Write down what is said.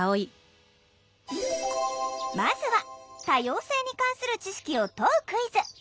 まずは“多様性”に関する知識を問うクイズ。